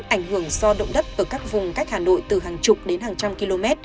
ảnh hưởng do động đất ở các vùng cách hà nội từ hàng chục đến hàng trăm km